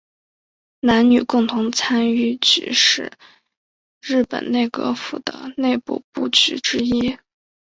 男女共同参与局是日本内阁府的内部部局之一。